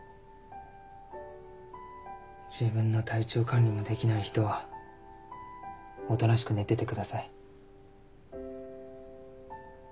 自分の体調管理もできない人はおとなしく寝ててください。